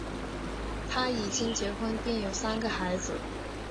他已经结婚并有三个孩子。